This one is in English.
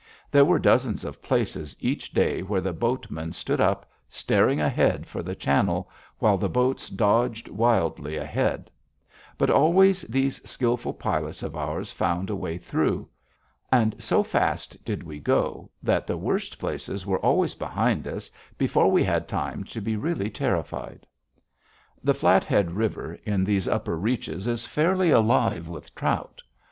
There were dozens of places each day where the boatmen stood up, staring ahead for the channel, while the boats dodged wildly ahead. But always these skillful pilots of ours found a way through. And so fast did we go that the worst places were always behind us before we had time to be really terrified. The Flathead River in these upper reaches is fairly alive with trout.